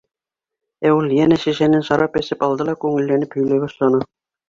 Ә ул йәнә шешәнән шарап эсеп алды ла күңелләнеп һөйләй башланы: